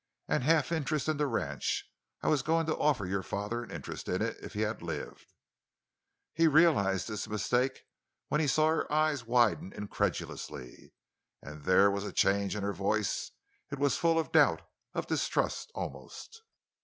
And a half interest in the ranch. I was going to offer your father an interest in it—if he had lived——" He realized his mistake when he saw her eyes widen incredulously. And there was a change in her voice—it was full of doubt, of distrust almost.